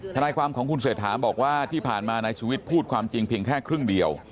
ทนายความของคุณเศรษฐาบอกว่าที่ผ่านมานายชุวิตพูดความจริงเพียงแค่ครึ่งเดียว